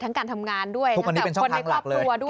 การทำงานด้วยทั้งกับคนในครอบครัวด้วย